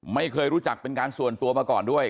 ไม่เคยรู้จักเป็นการส่วนตัวมาก่อนด้วย